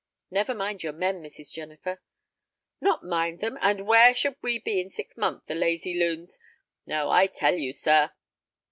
"Never mind your men, Mrs. Jennifer." "Not mind them! And where should we be in six months, the lazy loons! No, I tell you, sir."